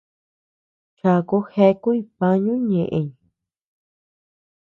Chaku jeakuy pañu ñeʼeñ.